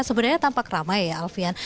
sebenarnya tampak ramai ya alfian